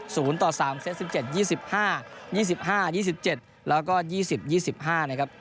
๐๓เซต๑๗๒๕๒๕๒๗แล้วก็๒๐๒๕นะครับ